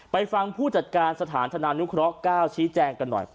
ฟังผู้จัดการสถานธนานุเคราะห์๙ชี้แจงกันหน่อย